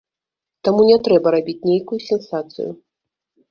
Таму не трэба рабіць нейкую сенсацыю.